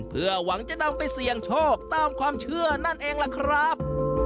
เพื่อหวังจะนำไปเสี่ยงโชคตามความเชื่อนั่นเองล่ะครับ